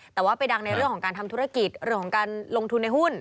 แต่ว่าไปดังในเรื่องของการทำธุรกิจเรื่องของการลงทุนในหุ้น